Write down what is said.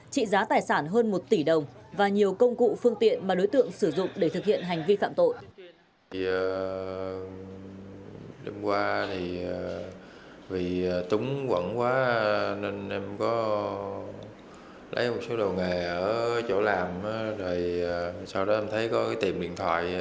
trị giá tài sản hơn một tỷ đồng và nhiều công cụ phương tiện mà đối tượng sử dụng để thực hiện hành vi phạm tội